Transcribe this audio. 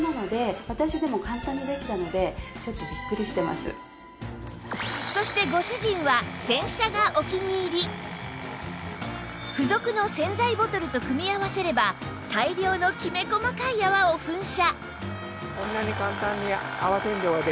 さらにそして付属の洗剤ボトルと組み合わせれば大量のきめ細かい泡を噴射